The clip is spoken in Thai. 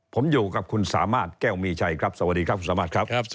ผมอยู่กับคุณสามารถแก้วมีชัยครับสวัสดีครับคุณสามารถครับ